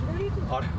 あれ？